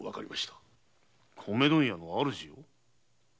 米問屋の主を？